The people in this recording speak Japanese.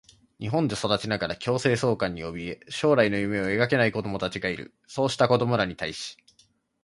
日本で育ちながら強制送還におびえ、将来の夢を描けない子どもたちがいる。そうした子どもらに対し、